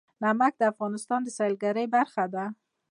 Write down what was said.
نمک د افغانستان د سیلګرۍ برخه ده.